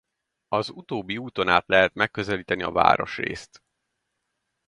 Az utóbbi úton át lehet megközelíteni a városrészt.